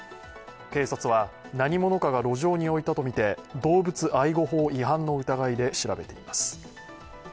警察は、何者かが路上に置いたとみて動物愛護法違反の疑いで調べています。